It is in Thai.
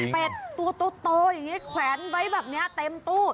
ตัวโตอย่างนี้แขวนไว้แบบนี้เต็มตู้